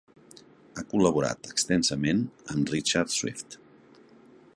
Ha col·laborat extensament amb Richard Swift.